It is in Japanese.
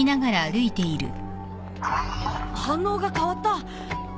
反応が変わった！